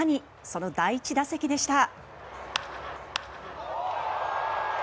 その第１打席でした。